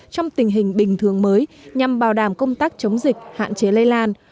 trong tình hình bình thường mới nhằm bảo đảm công tác chống dịch hạn chế lây lan